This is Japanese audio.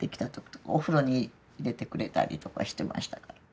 お風呂に入れてくれたりとかしてましたから。